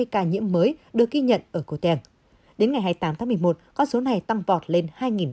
một trăm hai mươi ca nhiễm mới được ghi nhận ở goteng đến ngày hai mươi tám tháng một mươi một có số này tăng vọt lên hai ba trăm linh tám